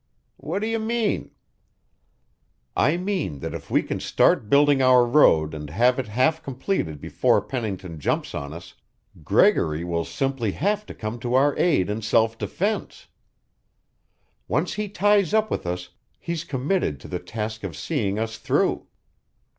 "What do you mean?" "I mean that if we can start building our road and have it half completed before Pennington jumps on us, GREGORY WILL SIMPLY HAVE TO COME TO OUR AID IN SELF DEFENSE. Once he ties up with us, he's committed to the task of seeing us through.